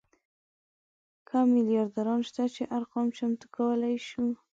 کم میلیاردران شته چې ارقام چمتو کولی شو.